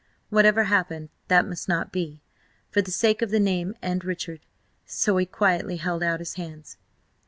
Whatever happened, that must not be, for the sake of the name and Richard. So he quietly held out his hands.